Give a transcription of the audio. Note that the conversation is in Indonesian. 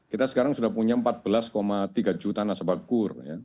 kita sekarang sudah punya empat belas tiga juta nasabah kur